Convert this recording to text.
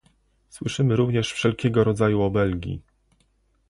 Słyszymy również wszelkiego rodzaju obelgi